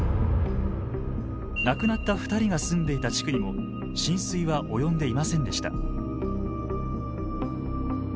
亡くなった２人が住んでいた地区にも浸水は及んでいませんでした。